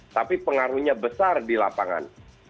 tapi pengaruhnya besar di lapangan